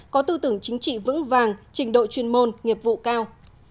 có tư tưởng chính trị vững vàng trình độ chuyên môn nghiệp vụ cao